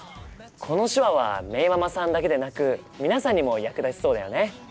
この手話はめいママさんだけでなく皆さんにも役立ちそうだよね。